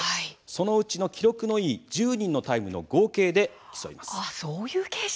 そのうちの記録のいい１０人のタイムの合計で競います。